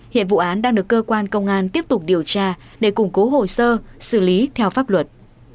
hiện vụ án đang được cơ quan công an tiếp tục điều tra để củng cố hồ sơ xử lý theo pháp luật